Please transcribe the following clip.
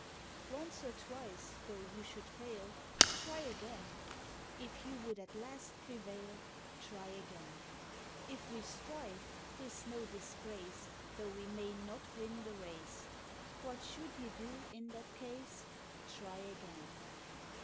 Once or twice though you should fail, Try again ; If you would at last prevail, Try again. If we strive, 't is no disgrace Though we may not win the race; What should you do in that case? Try again.